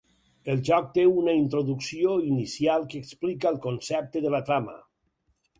El joc té una introducció inicial que explica el concepte de la trama.